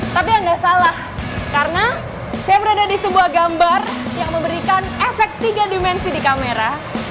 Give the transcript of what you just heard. tapi anda salah karena saya berada di sebuah gambar yang memberikan efek tiga dimensi di kamera